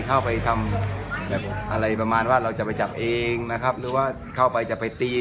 เข้าไปทำแบบอะไรประมาณว่าเราจะไปจับเองนะครับหรือว่าเข้าไปจะไปตี